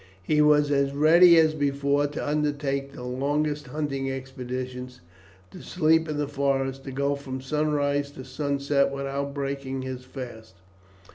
He was as ready as before to undertake the longest hunting expeditions, to sleep in the forest, to go from sunrise to sunset without breaking his fast.